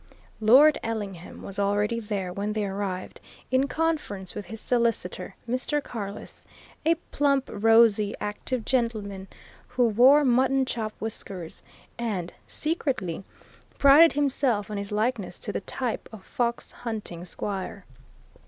Lord Ellingham was already there when they arrived in conference with his solicitor, Mr. Carless, a plump, rosy, active gentleman who wore mutton chop whiskers and secretly prided himself on his likeness to the type of fox hunting squire.